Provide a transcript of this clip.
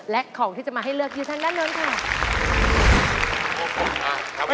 และของที่จะมาให้เลือกครีวสรรดีข้างด้านลงค่ะ